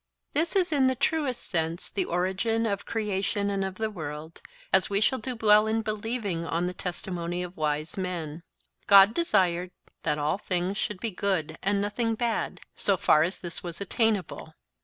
This is in the truest sense the origin of creation and of the world, as we shall do well in believing on the testimony of wise men: God desired that all things should be good and nothing bad, so far as this was attainable.